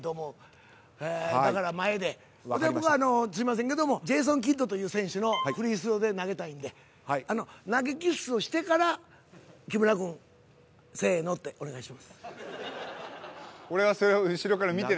すいませんけどもジェイソン・キッドという選手のフリースローで投げたいんで投げキッスをしてから木村君「せーの」ってお願いします。